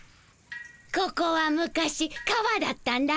ここは昔川だったんだよ。